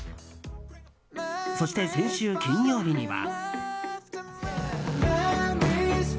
そして、先週金曜日には。